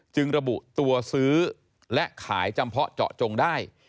ระบุตัวซื้อและขายจำเพาะเจาะจงได้